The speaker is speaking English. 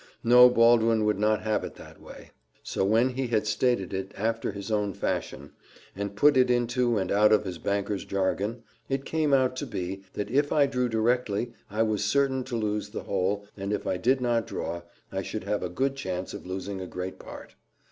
No, Baldwin would not have it that way so when he had stated it after his own fashion, and put it into and out of his banker's jargon, it came out to be, that if I drew directly I was certain to lose the whole; and if I did not draw, I should have a good chance of losing a great part.